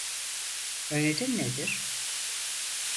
Önerin nedir?